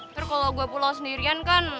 terus kalau gue pulang sendirian kan